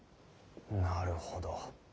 なるほど。